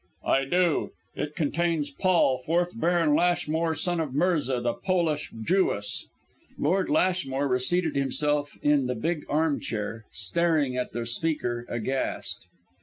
"I do. It contains Paul, fourth Baron Lashmore, son of Mirza, the Polish Jewess!" Lord Lashmore reseated himself in the big armchair, staring at the speaker, aghast.